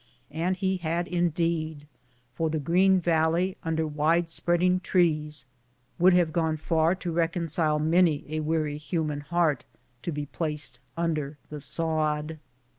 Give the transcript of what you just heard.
And he had indeed, for the green valley under wide spread ing trees would have gone far to reconcile many a weary Jiurnan heart to be placed under the sod.